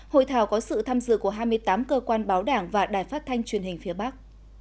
hội thảo có sự tham dự của hai mươi tám cơ quan báo đảng và đài phát thanh truyền hình phía bắc